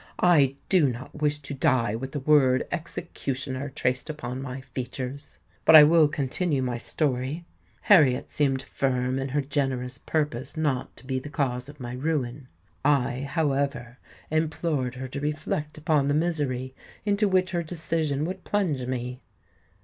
I do not wish to die with the word 'EXECUTIONER' traced upon my features. But I will continue my story. Harriet seemed firm in her generous purpose not to be the cause of my ruin: I however implored her to reflect upon the misery into which her decision would plunge me.